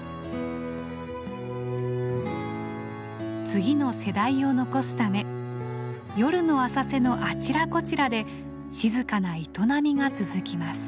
次の世代を残すため夜の浅瀬のあちらこちらで静かな営みが続きます。